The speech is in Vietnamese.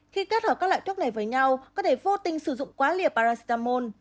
khi kết hợp các loại thuốc này với nhau có thể vô tình sử dụng quá liều parastamon